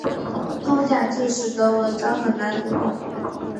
通假字使得文章很难读懂。